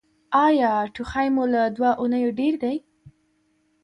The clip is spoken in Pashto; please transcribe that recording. ایا ټوخی مو له دوه اونیو ډیر دی؟